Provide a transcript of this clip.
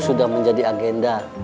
sudah menjadi agenda